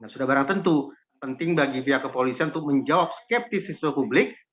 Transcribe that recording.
sudah barang tentu penting bagi pihak kepolisian untuk menjawab skeptisisme publik